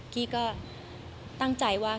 กี้ก็ตั้งใจว่า